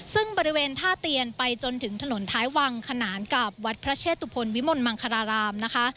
ซึ่งบริเวณท่าเตียนไปจนถึงถนนท้ายวังขนานกับวัดพระเชตุพลวิมลมังคารารามนะคะ